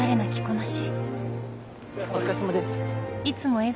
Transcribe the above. いつも